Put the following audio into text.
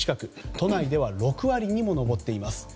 都内では６割にも上っています。